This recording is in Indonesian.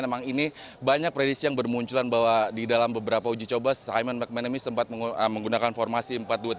memang ini banyak predisi yang bermunculan bahwa di dalam beberapa uji coba simon mcmanamy sempat menggunakan formasi empat dua tiga